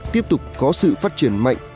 tiếp tục có sự phát triển mạnh